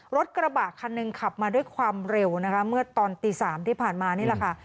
รถกระบะคันหนึ่งขับมาด้วยความเร็วนะคะเมื่อตอนตี๓ที่ผ่านมานี่แหละค่ะ